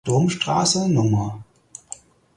Domstraße Nr.